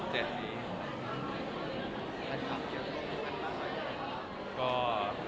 ปัญหาเจ้าคุยเยอะทุกคน